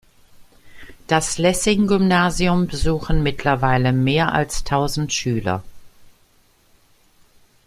Das Lessing-Gymnasium besuchen mittlerweile mehr als tausend Schüler.